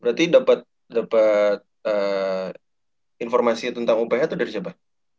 berarti dapet informasi tentang uph tuh dari siapa